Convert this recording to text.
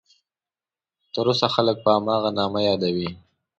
تر اوسه خلک په هماغه نامه یادوي.